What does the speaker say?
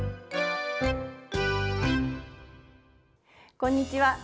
こんにちは。